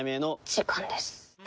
時間です。